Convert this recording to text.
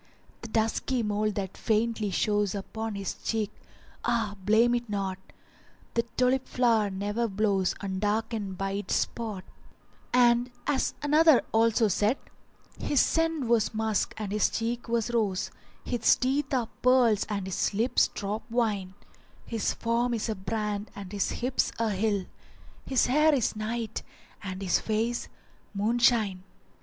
The dusky mole that faintly shows Upon his cheek, ah! blame it not: The tulip flower never blows Undarkened by its spot [FN#383] And as another also said:— His scent was musk and his cheek was rose; * His teeth are pearls and his lips drop wine; His form is a brand and his hips a hill; * His hair is night and his face moon shine.